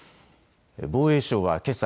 防衛省はけさ